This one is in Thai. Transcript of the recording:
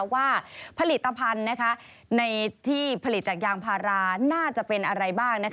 ว่าผลิตภัณฑ์ในที่ผลิตจากยางพาราน่าจะเป็นอะไรบ้าง